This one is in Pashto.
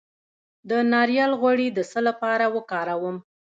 د ناریل غوړي د څه لپاره وکاروم؟